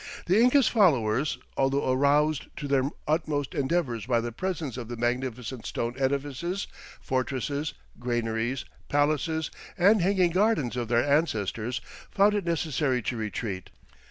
The Inca's followers, although aroused to their utmost endeavors by the presence of the magnificent stone edifices, fortresses, granaries, palaces, and hanging gardens of their ancestors, found it necessary to retreat.